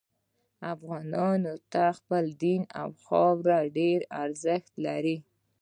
افغانانو ته خپل دین او خاوره ډیر ارزښت لري